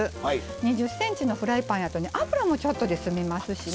２０ｃｍのフライパンやとね油もちょっとで済みますしね。